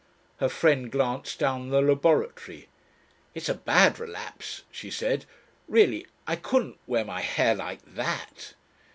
Her friend glanced down the laboratory. "It's a bad relapse," she said. "Really ... I couldn't ... wear my hair like that."